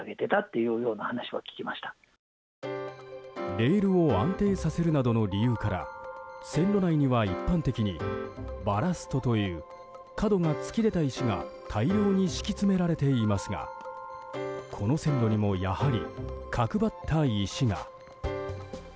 レールを安定させるなどの理由から線路内には、一般的にバラストという角が突き出た石が大量に敷き詰められていますがこの線路にも、やはり角張った石が。